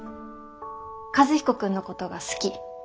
和彦君のことが好き。